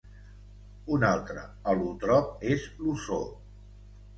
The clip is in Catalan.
Un altre al·lòtrop és l'ozó.